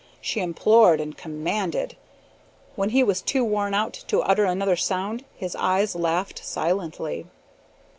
She implored and commanded. When he was too worn to utter another sound, his eyes laughed silently.